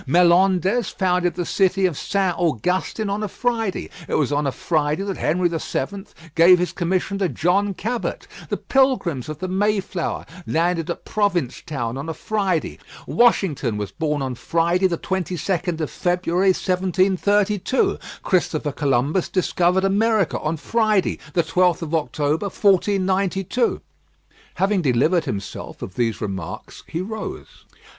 Melendez founded the city of Saint Augustin on a Friday; it was on a Friday that Henry the Seventh gave his commission to John Cabot; the Pilgrims of the Mayflower landed at Province Town on a Friday. Washington was born on Friday, the 22nd of February 1732; Christopher Columbus discovered America on Friday, the 12th of October 1492." Having delivered himself of these remarks, he rose.